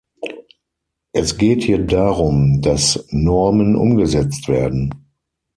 Es geht hier darum, dass Normen umgesetzt werden.